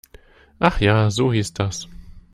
Ach ja, so hieß das.